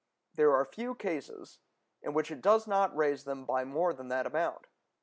There are few cases in which it does not raise them by more than that amount.